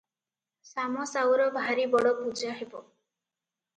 ଶାମ ସାଉର ଭାରି ବଡ଼ ପୂଜା ହେବ ।